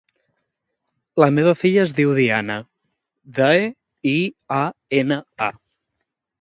La meva filla es diu Diana: de, i, a, ena, a.